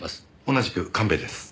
同じく神戸です。